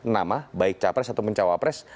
nama baik capres ataupun cawapres